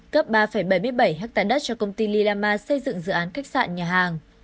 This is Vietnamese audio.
cấp ba bảy mươi bảy ha đất cho công ty lilama xây dựng dự án khách sạn nhà hàng